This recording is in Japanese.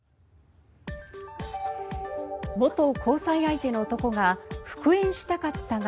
元交際相手の男が復縁したかったが